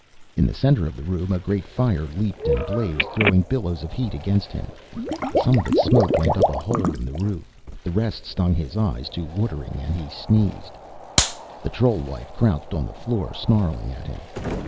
In the center of the room, a great fire leaped and blazed, throwing billows of heat against him; some of its smoke went up a hole in the roof, the rest stung his eyes to watering and he sneezed. The troll wife crouched on the floor, snarling at him.